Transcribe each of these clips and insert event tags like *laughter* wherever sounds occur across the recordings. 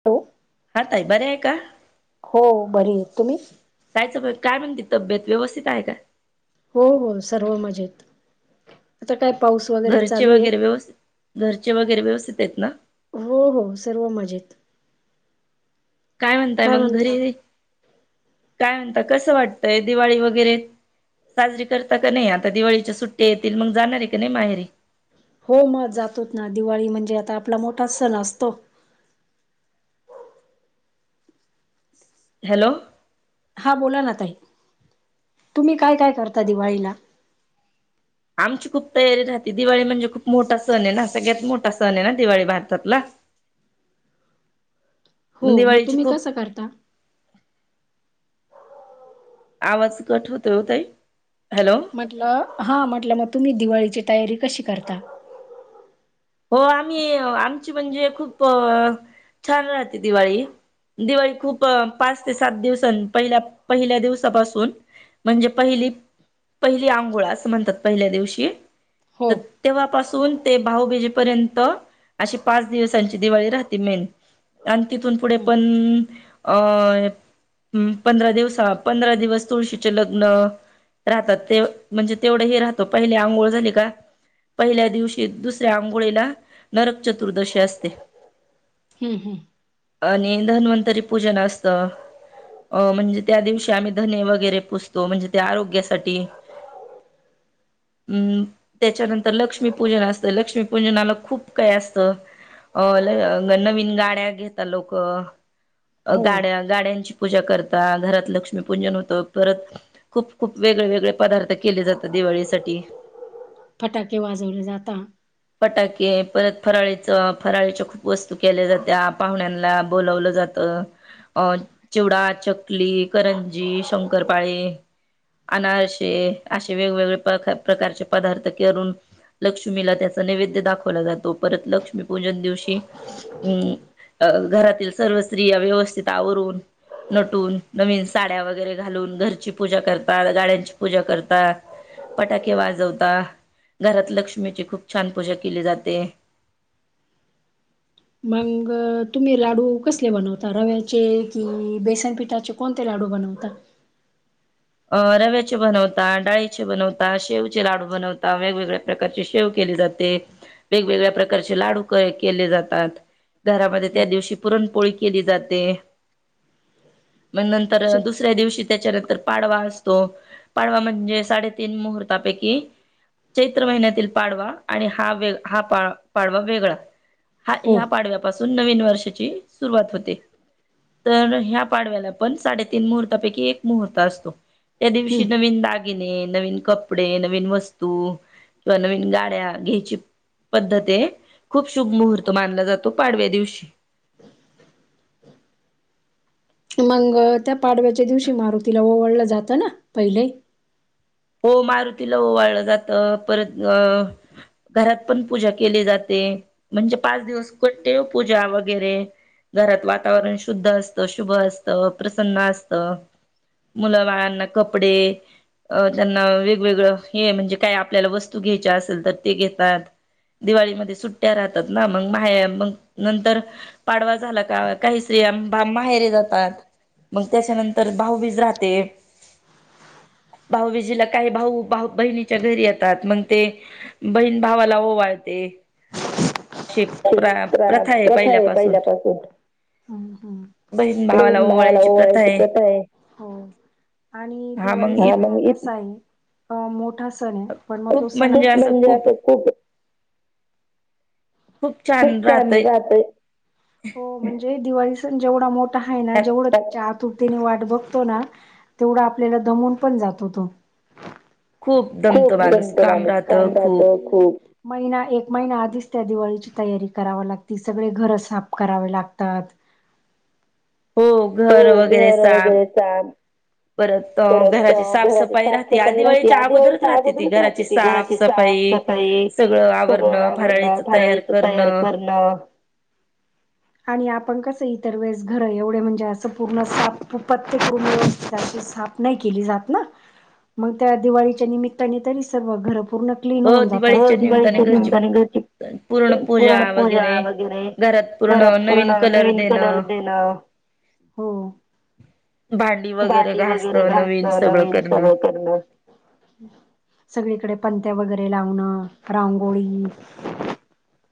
*unintelligible* हा ताई बऱ्या आहे का? हो बरी आहे. तुम्ही? कायच, काय म्हणती तब्येत. व्यवस्थित आहे काय? हो हो, सर्व मजेत. आता काय पाऊस घरचे वगैरे व्यवस्थित, घरचे वगैरे व्यवस्थित आहेत ना. हो हो सर्व मजेत. काय म्हणताय मग. घरी, काय म्हणता कस वाटतय दिवाळी वगैरे. साजरी करता का नाही. आता दिवाळीच्या सुट्या येतील मग जाणार आहे का नाही माहेरी. हो मग जातोच ना. दिवाळी म्हणजे आता आपला मोठाच सण असतो. हॅलो हा बोला ना ताई. तुम्ही काय काय करता दिवाळीला. आमची खूप तयारी राहती. दिवाळी म्हणजे खूप मोठा सण आहे ना. सगळ्यात मोठा सण आहे ना दिवाळी भारतातला. *inaudible* हो, मग तुम्ही कस करता? आवाज कट होतोय ओ ताई, हॅलो. हॅलो, हा म्हटलं मग तुम्ही दिवाळीची तयारी कशी करता? हो आम्ही, आमची म्हणजे खूप, छान राहते दिवाळी. दिवाळी खूप, पाच ते सात दिवसांत, पहिल्या-पहिल्या दिवसापासून म्हणजे पहिली, पहिली आंघोळ असं म्हणतात पहिल्या दिवशी. तर तेव्हापासून ते भाऊबीजे पर्यंत, अशी पाच दिवसांची दिवाळी राहते मेन. आणि तिथून पुढे पण अ हम्म, पंधरा दिवसा, पंधरा दिवस तुळशीचे लग्न राहतात, ते म्हणजे, तेवढं ह राहतो, पहिले आंघोळ झाली का? पहिल्या दिवशी, दुसऱ्या आंघोळीला नरकचतुर्दशी असते. हम्म-हम्म. आणि धन्वंतरी पूजन असतं. अ म्हणजे त्या दिवशी आम्ही धने वगैरे पुजतो, म्हणजे त्या आरोग्यासाठी. हम्म, त्याच्यानंतर लक्ष्मीपूजन असतं लक्ष्मी पूंजनाला खूप काही असतं. नवीन गाड्या घेतात लोक गाड्या गाड्यांची पूजा करता. घरात लक्ष्मीपूजन होतं परत खूप-खूप वेगळे-वेगळे पदार्थ केले जातात दिवाळीसाठी. फटाके वाजवले जातात. फटाके, परत फराळीच, फराळीच्या खूप वस्तू केल्या जात्या, पाहुण्यांना बोलावलं जातं. त, चिवडा, चकली, करंजी, शंकरपाळे अनारसे असे वेगवेगळे प्र प्रकारचे पदार्थ करून लक्ष्मीला त्याचा नैवेद्य दाखवला जातो. परत लक्ष्मीपूजन दिवशी हम्म, अ घरातील सर्व स्त्रिया व्यवस्थित आवरून नटून, नवीन साड्या वगैरे घालून, घरची पूजा करतात. गाड्यांची पूजा करतात. पटाके वाजवता. घरात लक्ष्मीची खूप छान पूजा केली जाते. मग तुम्ही लाडू कसले बनवता? रव्याचे कि बेसनपिठाचे? कोणते लाडू बनवता? रव्याचे बनवता, डाळीचे बनवता, शेव चे लाडू बनवता, वेगवेगळे प्रकारचे शेव केले जाते. वेगवेगळ्या प्रकारचे लाडू केले जातात. घरामध्ये त्यादिवशी पुरणपोळी केली जाते. मग नंतर दुसऱ्या दिवशी त्याच्यानंतर पाडवा असतो. पाडवा म्हणजे साडेतीन मुहूर्तापैकी चैत्र महिन्यातील पाडवा, आणि हा वे हा पाडवा वेगळा हा, ह्या पाडव्यापासून नवीन वर्षाची सुरुवात होते. तर ह्या पाडव्याला पण, साडेतीन मुहूर्तापैकी एक मुहूर्त असतो. त्या दिवशी नवीन दाग किणी नवीन कपडे, नवीन वस्तू, किंवा नवीन गाड्या, घ्यायची पद्धत तेय, खूप शुभ मुहूर्त मानला जातो पाडव्या दिवशी. मग त्या पाडव्याच्या दिवशी मारुतीला ओवळलं जातं ना, पहिले. हो, मारुतीला ओ वाळलं जातं. परत अ घरात पण पूजा केली जाते, म्हणजे पाच दिवस देव पूजा वगैरे घरात वातावरण शुद्ध असतं, शुभ असतं, प्रसन्न असतं. मुलं, बाळंना कपडे त्यांना वेगवेगळं हे म्हणजे काय आपल्याला वस्तू घ्यायच्या असेल तर ते घेतात. दिवाळीमध्ये सुट्ट्या राहतात ना मग माहे मग नंतर पाडवा झाला का काही स्त्रींया माहेरे जातात. मग त्याच्यानंतर भाऊबीज राहते. भाऊ बिजीला काही भाऊ -भाऊबहिणीच्या घरी येतात. मग ते... बहीण भावाला ओवाळते. हे प्र.... प्रथा आहे. पहिल्या पासून... ह..... ह... बहिण भावाला ओवाळ्याची प्रथा आहे. हो.. आणि दिवाळी..... *unintelligible* आहे. मोठा सण आहे. पण *unintelligible* खुप छान राहतय. हो.. म्हणजे दिवाळी सण जेवढा मोठा आहे ना. जेवढं त्या च्या..... तुपतुटीने वाट बघतो ना. तेवढ आपल्याला दमवून पण जातो तो. खूप दमत माणूस काम राहत खूप. महिना एक महिना आधीच त्या दिवाळीची तयारी कराव लागती. सगळे घरं साफ करावे लागतात. हो.... घर वगैरे साफ. परत.... अ..... घराची साफसफाई राहत्या दिवाळी च्या अगोदरच राहते ती घराची साफ.. सफाई.... सगळं आवरणं. फाराळीच तयार करणं. आणि आपण कसं इतर वेळेस घर एवढे म्हणजे असं पूर्ण साप पत्य पूर्ण व्यवस्थित साप.... नाही केली जात ना. मग त्या दिवाळीच्या निमित्ताने तरी सगळ घर पूर्ण.... क्लीन होऊन जातत. ओ... दिवाळीच्या निमित्ताने घरची... पूर्ण पूजा वगैरे. घरात पूर्ण नवीन कलर देणं. भांडी वैगैरे घास... घासणं. नवीन सगळं करणं. सगळीकडे पणत्या वैगैरे लावणं. रांगोळी....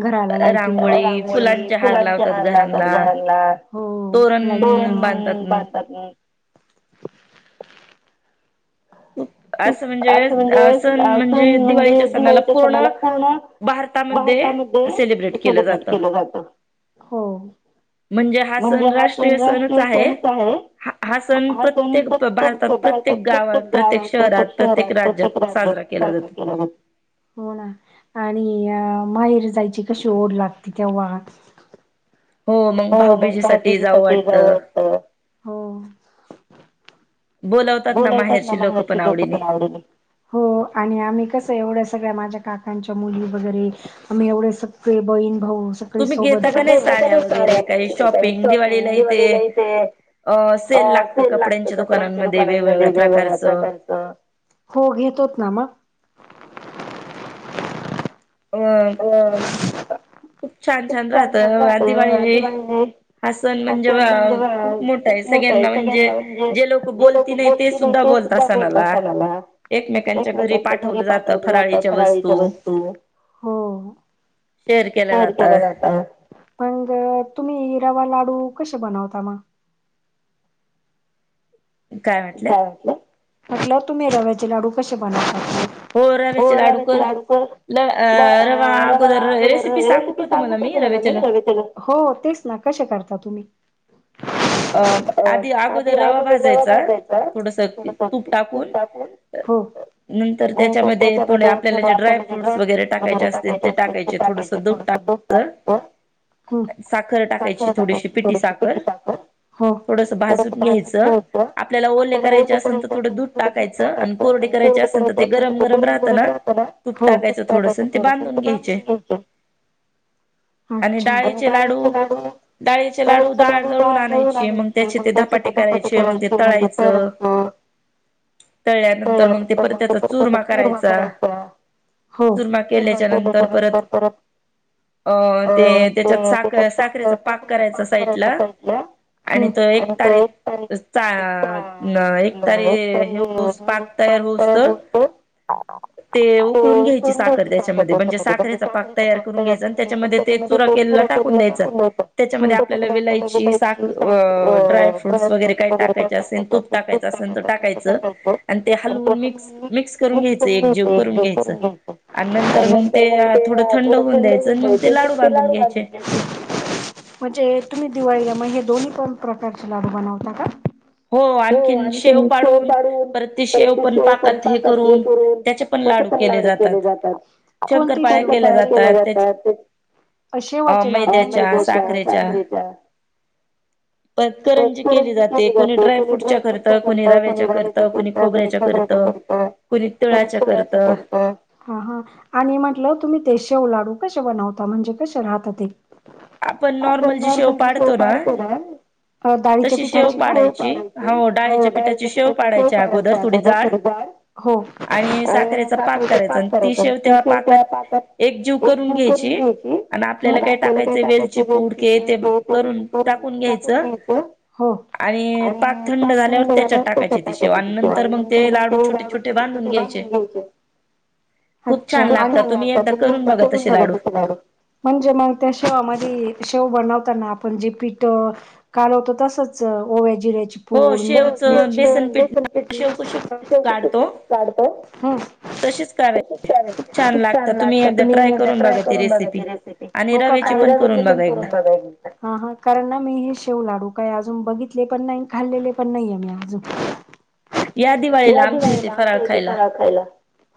घराला लायटींग रांगोळी फुलांचे हार लावतात. घरांना.... हो..... *unintelligible* *inaudible* असं म्हणजे... अ.. सण म्हणजे दिवाळीच्या सणाला पूर्ण. भारतामध्ये.. सेलिब्रेट केलं जात. म्हणजे हा सण राष्ट्रीय सणच आहे. हा सण प्रत्येक *unintelligible* प्रत्येक... गावात प्रत्येक शहरात प्रत्येक राज्यात साजरा केला जातो. हो.. ना.. आणि अ.... माहेरी जायची कशी ओढ लागती तेव्हा... हो.. मग.. भाऊबीजी साठी जाऊ वाटत. बोलावतात ना मग माहेची लोक पण आवडीने. हो.. आणि आम्ही कसं एवढ्या सगळ्या माझ्या काकांच्या मुली वैगैरे... आम्ही एवढे सगळे बहीण भाऊ सग... *unintelligible* अ... सेल लागतो कपड्यांच्या दुकानांनमध्ये वेगळ्या- वेगळ्या प्रकारचा. अ... हो घेतोत ना म... *inaudible* असन म्हणजे बगा कि खूप मोठ आहे. सगळ्यांना म्हण जे. जे लोक बोलतील ते सु..... दाखवतात सणाला. एकमेकांच्या घरी पाठवल जात फराळीच्या वस्तू. हो... शेअर केल जात. मग... तुम्ही रवा लाडू कशे बनवता मग. काय वाटलं,, म्हटलं तुम्ही रव्याचे लाडू कसे बनवता.? हो रव्याचे लाडू कर रवा अगोदर, रेसिपी सांगू का तुम्हाला मी रव्याच्या ला हो तेच ना कसे करता तुम्ही? अ आधी अगोदर रवा भाजायचा, थोडसं तूप तुपातले हो. नंतर त्याच्यामध्ये थोडे आपल्या जे ड्राय फ्रुट्स वगैरे टाकायचे असतील ते टाकायचे, थोडंसं दूध टा साखर टाकायची थोडीशी पिटी साखर थोडंस भाजून घ्यायचं, आपल्याला ओले करायचे असेल तर थोडं दूध टाकायचं, आणि कोरडी करायचे असेल तर ते गरम गरम राहतं ना तूप टाकायचं थोडसं न ते बांधून घ्यायचे. आणि डाळीचे लाडू,, डाळीचे लाडू डाळ जळून आणाय मग त्याचे ते धपाटे करायचे, न मग व ग प. *unintelligible* तळल्यानंतर मग ते परत त्याचा चुरमा करायचा. चूरमा केल्याच्या नंतर परत, अं ते त्याच्यात साख साखरेचा पाक करायचा साईडला, आणि त एक तारी एक एक तारी हे पाक तयार होऊस तर ते उकळून घ्यायची साखर त्याच्यामध्ये, म्हणजे साखरे पाक तयार करून घ्यायचा आणि त्याच्यामध्ये ते चुरा केला टाकून द्यायचा. त्याच्यामध्ये आपल्याला विलायची, साख अ ड्राय फ्रूट्स वगैरे काय टाकायचे असेल, तूप टाकायचं असेल तर टाकायचं. आणि ते हलवून मिक्स, मिक्स करून घ्यायचं एक जीव करून घ्यायचं. आणि नंतर मंग ते थोडं थंड होऊन द्यायचं न मग लाडू बांधून घ्यायचे. म्हणजे तुम्ही दिवाळीला म हे दोन्ही प्रकारचे लाडू बनवता का? हो आणखीन शेव पाडून, परत ते शेव परत पाकात हे करून. त्याचे पण लाडू केले जातात, कोणती बार केल्या जातात असे वाचेल आ मैद्याच्या साखरेच्या. परत करंजी केली जाते. कोणी ड्राय फ्रूटच्या करतात, कोणी रव्याच्या करतात कोणी खजऱ्याच्या करता. कोणी करतं *unintelligible* हा हा, आणि म्हटलं तुम्ही ते शेव लाडू कसे बनवता म्हणजे कसे राहतं ते? आपण नॉर्मल जी शेव पाडतो ना. दाळीच्या पिठाची का,, शेव पाडायची हो डाळीच्या पिठाची शेव पाडायची थोडी जाड. हो,, आणि साखरेचा पाक करायचा आणी ती शेव पाकात एक जीव करून घ्यायची,,, आन आपल्याला काय टाकायचय वेलची पुड तेन टाकून घ्यायचं,, हो. आणि पाक थंड झाल्यावर टाकायचे ती पुड, आणि नंतर मग ते लाडू छोटे छोटे घालून घ्याय अच्छा. आणी *unintelligible* म्हणजे मग त्या शेवा मधी, शेव बनवताना आपण जे पिठं कालवतो तसंच ओव्या जिऱ्याची पूर्ण काढत. *unintelligible* तसेच करायचे,, खूप छान लागतं, तुम्ही तर तुम्ही एकदा ट्राय करून बघा ती रेसिपी,, हो का, कायरा वची पण करून बघायची. हा हा, कारण ना मी हे शेव लाडू काय अजून बघितले पण नाही, खाल्लेले पण नाहीेये मी अजून. या दिवाळीला आमच्या इथे फराळ खायला.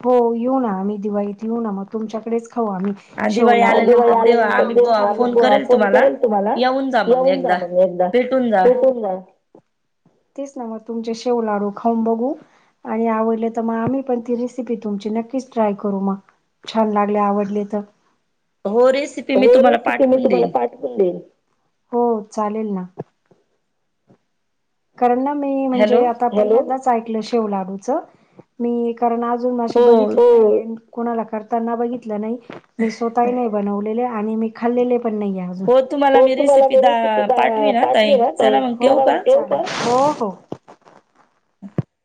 हो येऊना आम्ही दिवाळीत येऊना म तुमच्याकडेच खाऊ आम्ही. शेवला दिवाळी आल्या नंतर दे आम्ही ब फोन करल तुम्हाला, येऊन जा म एकदा. येतल ना, तेच ना म तुमचे शेव लाडू खाऊन बघू. आणि आवडलं त म आम्ही पण ती रेसिपी तुमची नक्कीच ट्राय करू म. छान लागले आवडली त, हो रेसिपी मी तुम्हाला पाठ ऊन देण, हो चालेल ना. कारण ना मी म्हणजे आता पहिल्यांदाच ऐकलं शेव लाडूचं अ. मी कारण अजून अशे बघितलेले नाहीये ओ. कोणाला करताना बघितलं नाही, मी स्वतःही नाही बनवलेले आणि मी खाल्लेले पण नाहीये. ओ तुम्हाला मी रेसिपी पा-पाठवी न आ ताई, हो चा काराव ठेऊ का हो हो.